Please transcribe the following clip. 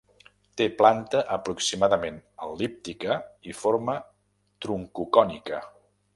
Té planta aproximadament el·líptica i forma troncocònica.